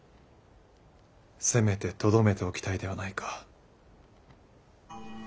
せめてとどめておきたいではないか。